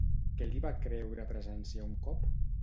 Què li va creure presenciar un cop?